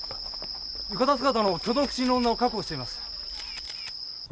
浴衣姿の挙動不審の女を確保しています。